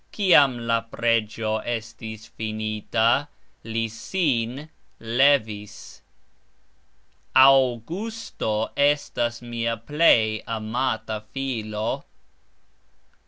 Kiam la pregxo estis finita, li sin levis. Auxgusto estas mia plej amata filo.